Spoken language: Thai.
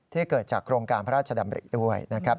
เกิดจากโครงการพระราชดำริด้วยนะครับ